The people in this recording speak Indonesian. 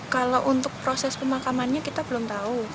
kalau untuk proses pemakamannya kita belum tahu